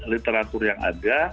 literatur yang ada